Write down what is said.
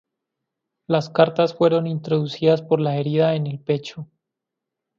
Las cartas fueron introducidas por la herida en el pecho.